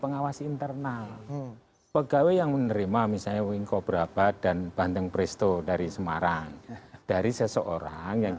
pegawai yang menerima misalnya winko brabat dan banteng presto dari semarang dari seseorang yang